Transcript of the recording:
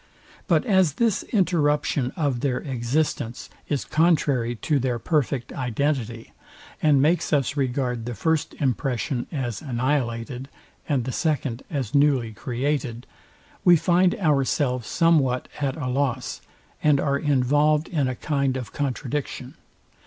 But as this interruption of their existence is contrary to their perfect identity, and makes us regard the first impression as annihilated, and the second as newly created, we find ourselves somewhat at a loss, and are involved in a kind of contradiction.